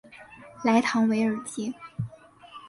莱唐韦尔吉。